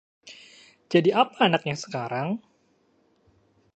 Jadi apa anaknya sekarang?